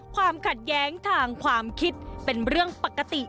ความขัดแย้งทางความคิดเป็นเรื่องปกติ